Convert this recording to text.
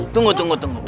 tunggu tunggu tunggu